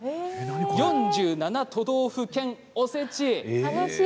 ４７都道府県おせちです。